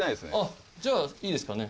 じゃあいいですかね。